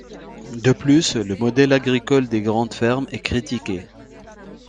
De plus, le modèle agricole des grandes fermes est critiqué.